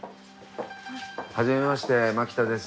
初めまして槙田です。